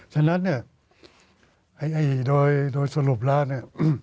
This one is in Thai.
ฉะนั้นโดยสรุปแล้ว